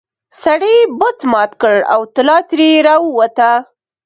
سړي بت مات کړ او طلا ترې راووته.